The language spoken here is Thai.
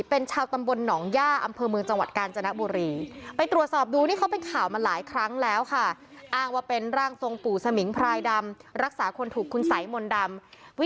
เป็นชาวตำบลหนองย่าอำเภอเมืองจังหวัดกาญจนบุรี